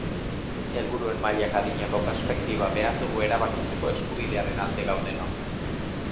Helburuen mailak adinako perspektiba behar dugu erabakitzeko eskubidearen alde gaudenok.